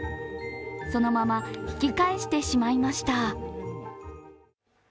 そのまま引き返してしまいました。